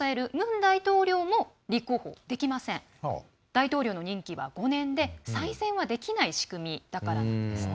大統領の任期は５年で再選はできない仕組みだからなんです。